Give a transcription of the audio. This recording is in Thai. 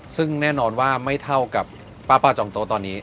ซึ่งแน่นอนว่าไม่เท่ากับป้าจองโต๊ะตอนนี้